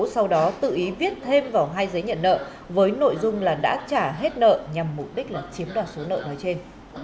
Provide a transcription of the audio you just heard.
sau đó tự ý viết thêm vào hai giấy nhận nợ với nội dung là đã trả hết nợ nhằm mục đích là chiếm đoạt số nợ nói trên